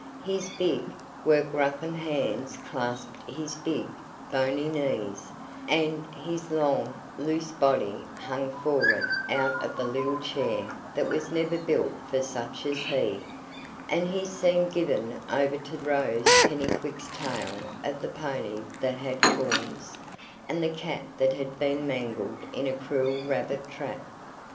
His big, work roughened hands clasped his big, bony knees, and his long, loose body hung forward out of the little chair that was never built for such as he; and he seemed given over to Rose Pennycuick's tale of the pony that had corns, and the cat that had been mangled in a cruel rabbit trap.